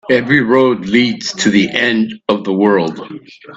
Every road leads to the end of the world.